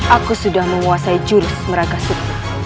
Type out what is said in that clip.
aku sudah menguasai jurus meragasuk